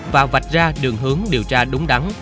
và vạch ra đường hướng điều tra đúng đắn